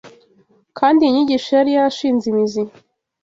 kandi iyi nyigisho yari yarashinze imizi